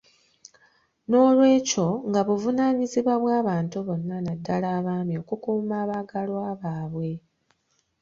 Noolwekyo nga buvunaanibwa bwa bantu bonna naddala abaami okukuuma abaagalwa baabwe.